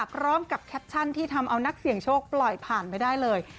แคปชั่นที่ทำเอานักเสี่ยงโชคปล่อยผ่านไปได้เลย